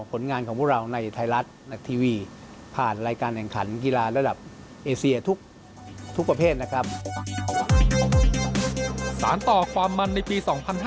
ผลงานของพวกเราในไทยรัฐนักทีวี